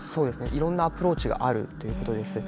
いろんなアプローチがあるということです。